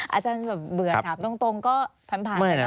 อาจารย์เบื่อถามตรงก็พันธุ์เลยเนอะ